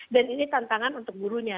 dan ini tantangan untuk gurunya